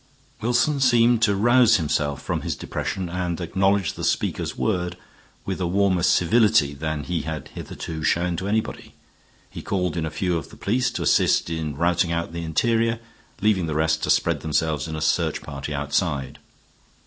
Wilson seemed to rouse himself from his depression and acknowledged the speaker's words with a warmer civility than he had hitherto shown to anybody. He called in a few of the police to assist in routing out the interior, leaving the rest to spread themselves in a search party outside.